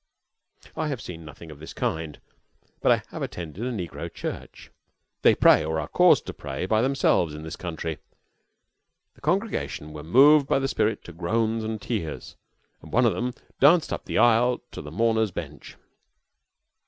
I have seen nothing of this kind, but I have attended a negro church. They pray, or are caused to pray by themselves in this country. The congregation were moved by the spirit to groans and tears, and one of them danced up the aisle to the mourners' bench.